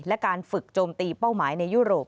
และการฝึกโจมตีเป้าหมายในยุโรป